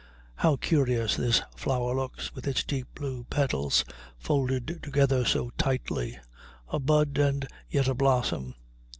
How curious this flower looks with its deep blue petals folded together so tightly, a bud and yet a blossom!